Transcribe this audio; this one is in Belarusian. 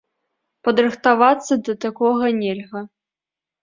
Падрыхтавацца да такога нельга.